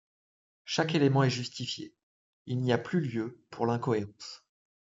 Chaque élément est justifié, il n´y a plus lieu pour l´incohérence.